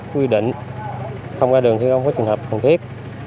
quy định không qua đường khi không có trường hợp cần thiết